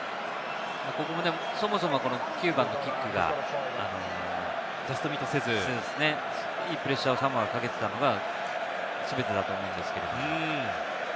ここもそもそも９番のキックがジャストミートせず、プレッシャーをサモアがかけていたのが全てだと思うんですけれども。